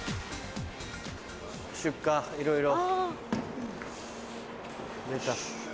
出荷いろいろ。